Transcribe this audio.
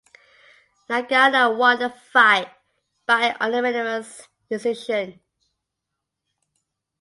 Nagano won the fight by unanimous decision.